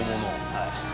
はい。